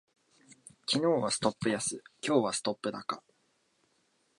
昨日はストップ安、今日はストップ高